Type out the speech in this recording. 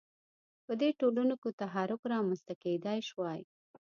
په دې ټولنو کې تحرک رامنځته کېدای شوای.